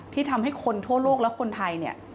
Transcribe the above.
ที่ทำให้คนทั่วโลกและคนไทยเนี่ย